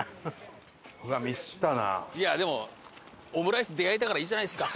いやでもオムライスに出会えたからいいじゃないですか。